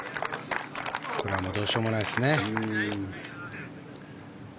これはどうしようもないですね。